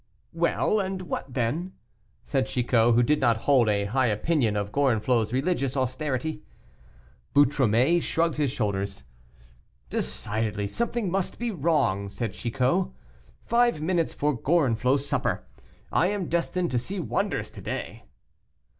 "Well, and what then?" said Chicot, who did not hold a high opinion of Gorenflot's religious austerity. Boutromet shrugged his shoulders. "Decidedly, something must be wrong," said Chicot, "five minutes for Gorenflot's supper! I am destined to see wonders to day."